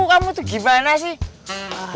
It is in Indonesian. kamu tuh gimana sih